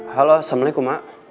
haloo assalamualaikum ma